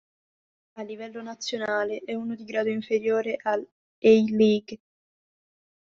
A livello nazionale, è uno di grado inferiore al A-League.